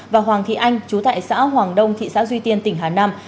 và hoàng thị anh chú tại xã hoàng đông thị xã duy tiên tỉnh hà nam